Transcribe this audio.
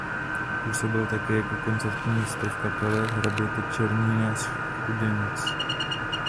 Působil také jako koncertní mistr v kapele hraběte Černína z Chudenic.